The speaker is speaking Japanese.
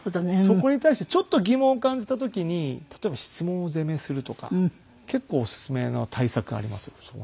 そこに対してちょっと疑問を感じた時に例えば質問攻めするとか結構オススメの対策がありますよ。